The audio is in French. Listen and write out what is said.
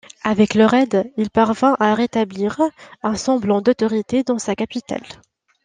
Avec leur aide, il parvint à rétablir un semblant d'autorité dans sa capitale.